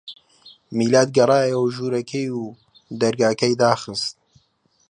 میلاد گەڕایەوە ژوورەکەی و دەرگاکەی داخست.